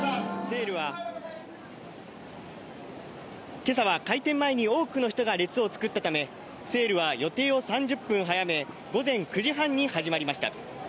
今朝は開店前に多くの人が列を作ったため、セールは予定を３０分早め、午前９時半に始まりました。